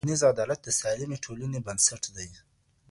ټولنیز عدالت د سالمې ټولني بنسټ دی.